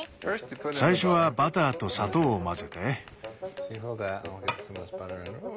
最初はバターと砂糖を混ぜて。